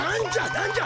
なんじゃ？